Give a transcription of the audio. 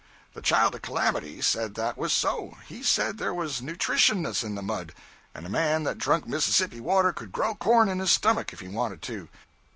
The Child of Calamity said that was so; he said there was nutritiousness in the mud, and a man that drunk Mississippi water could grow corn in his stomach if he wanted to.